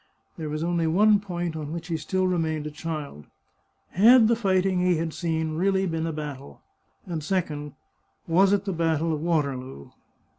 There was only one point on which he still remained a child. Had the fight ing he had seen really been a battle? and, secondly, Was it the battle of Waterloo?